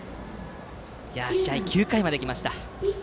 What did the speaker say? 試合は９回まで来ました。